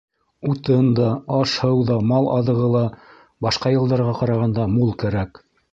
Утын да, аш-һыу ҙа, мал аҙығы ла башҡа йылдарға ҡарағанда мул кәрәк.